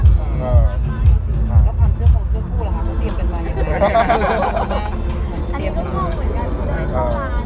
เราก็แบบเขาเรียกอะไรอ่ะ